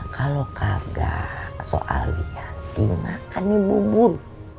kalau kagak soal biar dimakan nih bubur